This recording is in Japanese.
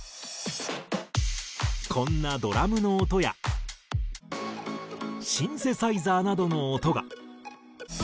こんなドラムの音やシンセサイザーなどの音が。